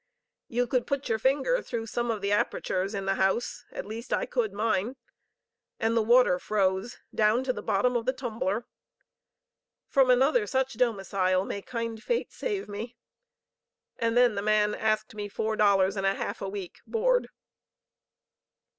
You could put your finger through some of the apertures in the house; at least I could mine, and the water froze down to the bottom of the tumbler. From another such domicile may kind fate save me. And then the man asked me four dollars and a half a week board.